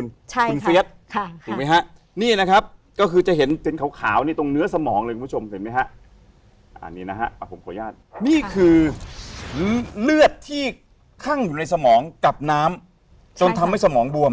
เลือดที่คั่งอยู่ในสมองกับน้ำจนทำให้สมองบวม